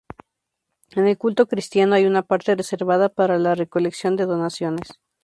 En el culto cristiano, hay una parte reservada para la recolección de donaciones.